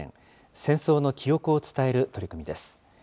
戦争の記憶を伝える取り組みです。